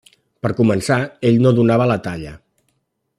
Per començar, ell no donava la talla.